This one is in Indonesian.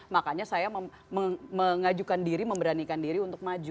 makanya saya mengajukan diri memberanikan diri untuk maju